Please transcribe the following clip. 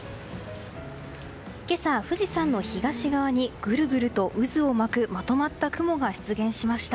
今朝、富士山の東側にぐるぐると渦を巻くまとまった雲が出現しました。